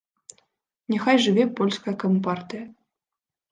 Няхай жыве польская кампартыя.